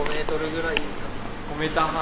５メーター半。